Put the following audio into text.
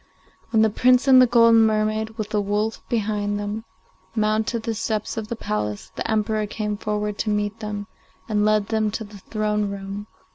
When the Prince and the golden mermaid, with the wolf behind them, mounted the steps of the palace, the Emperor came forward to meet them, and led them to the throne room.